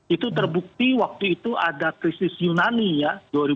itu terbukti waktu itu ada krisis yunani ya